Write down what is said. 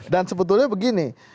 dan sebetulnya begini